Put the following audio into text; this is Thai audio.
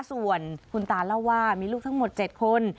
ส่วนคุณตาเล่าว่ามีลูกทั้งหมด๗คน